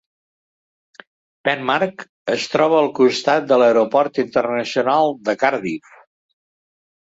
Pen-marc es troba al costat de l'Aeroport Internacional de Cardiff.